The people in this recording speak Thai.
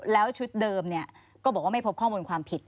แล้วชุดเดิมก็บอกว่าไม่พบข้อมูลความผิด